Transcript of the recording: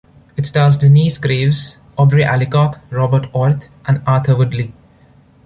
It stars Denyce Graves, Aubrey Allicock, Robert Orth, and Arthur Woodley.